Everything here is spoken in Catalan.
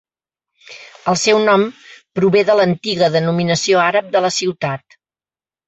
El seu nom prové de l'antiga denominació àrab de la ciutat.